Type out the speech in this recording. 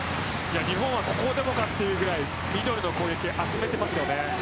日本はこれでもかというぐらいミドルに攻撃集めてます。